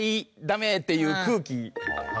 ダメ！っていう空気。